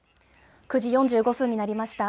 ９時４５分になりました。